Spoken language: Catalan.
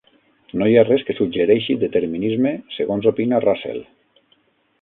No hi ha res que suggereixi determinisme segons opina Russell.